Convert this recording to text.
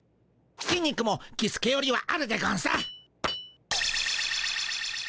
筋肉もキスケよりはあるでゴンス。